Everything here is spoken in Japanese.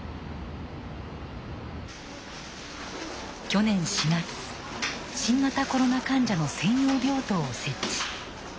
去年４月新型コロナ患者の専用病棟を設置。